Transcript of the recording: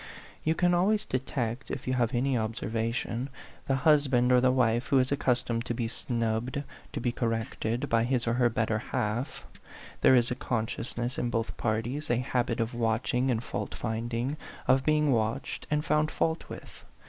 You can always detect, if you have any observation, the husband or the wife who is accustomed to be snubbed, to be corrected, by his or her better half; there is a consciousness in both parties, a habit of watching and fault finding, of being watched and found fault with.